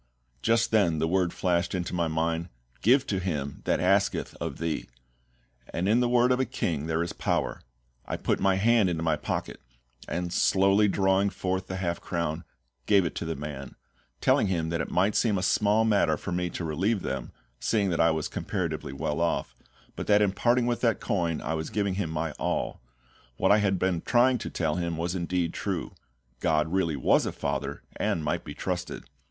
Just then the word flashed into my mind, "Give to him that asketh of thee," and in the word of a KING there is power. I put my hand into my pocket, and slowly drawing forth the half crown, gave it to the man, telling him that it might seem a small matter for me to relieve them, seeing that I was comparatively well off, but that in parting with that coin I was giving him my all; what I had been trying to tell him was indeed true GOD really was a FATHER, and might be trusted.